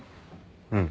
うん。